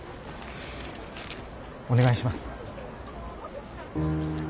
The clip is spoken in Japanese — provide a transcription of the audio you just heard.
お願いします。